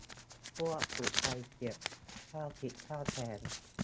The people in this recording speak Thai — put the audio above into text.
พวกผูกใจเจ็บ เจ้าคิดเจ้าแค้น